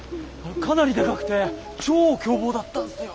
かなりでかくて超凶暴だったんすよ！